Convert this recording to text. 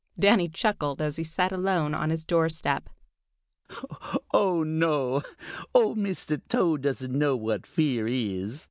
Danny chuckled as he sat alone on his door step. "Oh, no, old Mr. Toad doesn't know what fear is!"